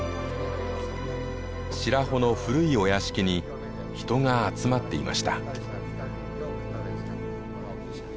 白保の古いお屋敷に人が集まっていました。